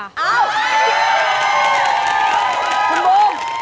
คุณบูบ